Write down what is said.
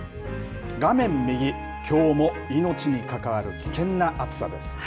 画面右きょうも命に関わる危険な暑さです。